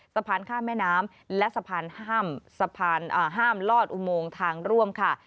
สะพานข้ามแม่น้ำและสะพานห้ามลอดอุโมงทางร่วมค่ะ